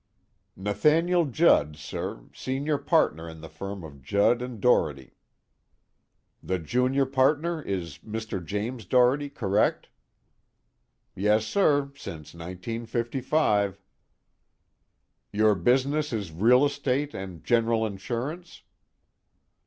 "Nathaniel Judd, sir, senior partner in the firm of Judd and Doherty." "The junior partner is Mr. James Doherty, correct?" "Yes, sir. Since 1955." "Your business is real estate and general insurance?"